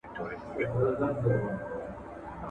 آیا بدترین حالت واقعاً دومره وېروونکی دی.